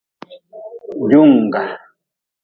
Jungga.